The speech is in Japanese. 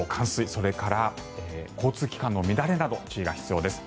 それから交通機関の乱れなど注意が必要です。